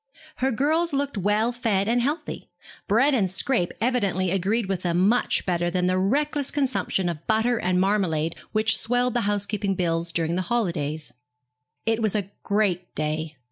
Her girls looked well fed and healthy. Bread and scrape evidently agreed with them much better than that reckless consumption of butter and marmalade which swelled the housekeeping bills during the holidays. It was a great day.